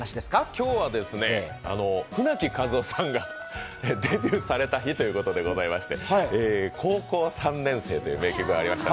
今日は舟木一夫さんがデビューされた日ということでございまして「高校三年生」という名曲がありまして